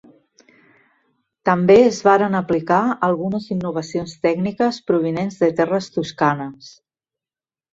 També es varen aplicar algunes innovacions tècniques provinents de terres toscanes.